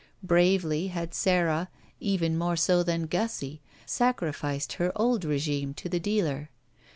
Bravely had Sara, even more so than Gussie, sacrificed her old regime to the dealer.